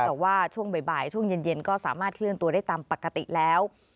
แต่ว่าช่วงบ่ายช่วงเย็นก็สามารถเคลื่อนตัวได้ตามปกติแล้ว